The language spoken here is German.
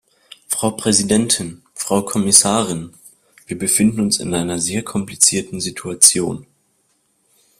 Frau Präsidentin, Frau Kommissarin! Wir befinden uns in einer sehr komplizierten Situation.